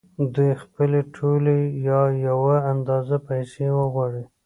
دوی خپلې ټولې یا یوه اندازه پیسې وغواړي